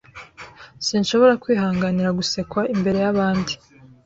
Sinshobora kwihanganira gusekwa imbere yabandi.